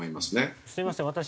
すみません